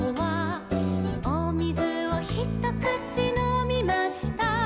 「おみずをひとくちのみました」